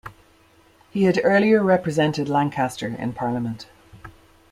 He had earlier represented Lancaster in Parliament.